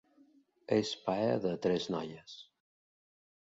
És pare de tres noies.